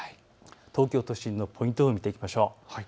東京都心のポイント予報を見ていきましょう。